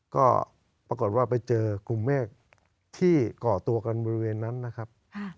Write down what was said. ก็ปรากฏว่าไปเจอกลุ่มเมฆที่ก่อตัวกันบริเวณนั้นนะครับ